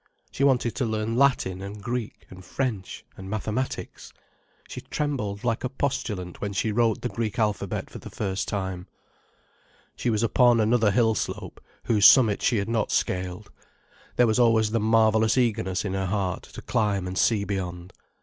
She wanted to learn Latin and Greek and French and mathematics. She trembled like a postulant when she wrote the Greek alphabet for the first time. She was upon another hill slope, whose summit she had not scaled. There was always the marvellous eagerness in her heart, to climb and to see beyond.